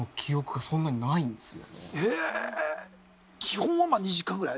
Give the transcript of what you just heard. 基本はまあ２時間ぐらい？